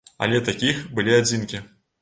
Але такіх былі адзінкі.